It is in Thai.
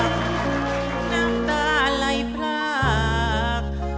น้ำตาไหล่พร้อม